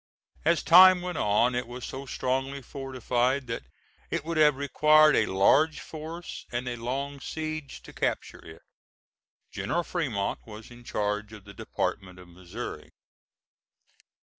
As time went on it was so strongly fortified that it would have required a large force and a long siege to capture it. General Fremont was in charge of the Department of Missouri.